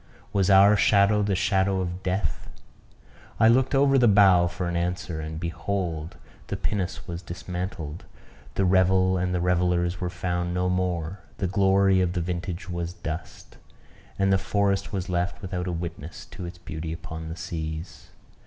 Was our shadow the shadow of death? I looked over the bow for an answer; and, behold! the pinnace was dismantled; the revel and the revellers were found no more; the glory of the vintage was dust; and the forest was left without a witness to its beauty upon the seas.